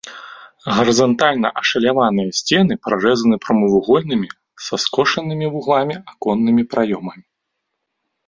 Гарызантальна ашаляваныя сцены прарэзаны прамавугольнымі са скошанымі вугламі аконнымі праёмамі.